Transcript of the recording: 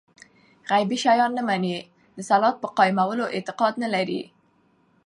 غيبي شيان نه مني، د صلوة په قائمولو اعتقاد نه لري